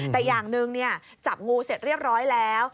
แต่อย่างหนึ่งจับงูเสร็จเรียบร้อยแล้ว